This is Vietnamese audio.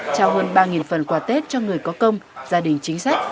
trao hơn ba phần quà tết cho người có công gia đình chính sách